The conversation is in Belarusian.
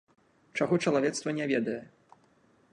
Чаго чалавецтва не ведае.